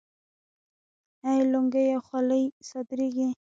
آیا لونګۍ او خولۍ صادریږي؟